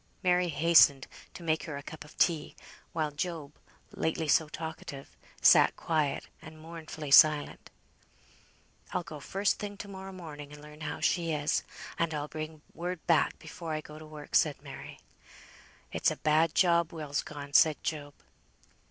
Mary hastened to make her a cup of tea; while Job, lately so talkative, sat quiet and mournfully silent. "I'll go first thing to morrow morning, and learn how she is; and I'll bring word back before I go to work," said Mary. "It's a bad job Will's gone," said Job.